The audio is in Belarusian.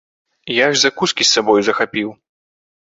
Я ж закускі з сабою захапіў.